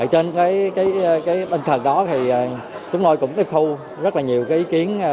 trên cái bình thường đó thì chúng tôi cũng tiếp thu rất là nhiều ý kiến